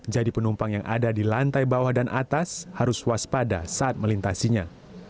jadi penumpang yang ada di lantai bawah dan atas harus waspada saat melintasinya